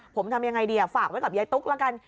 ผมทำยังไงดีฝากไว้กับยายตุ๊กละกัน